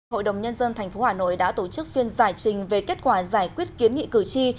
hội đồng nhân dân tp hà nội đã tổ chức phiên giải trình về kết quả giải quyết kiến nghị cử tri